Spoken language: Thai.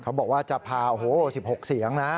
เขาบอกว่าจะพาโอ้โห๑๖เสียงนะ